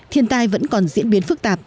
thiên tai vẫn còn diễn biến phức tạp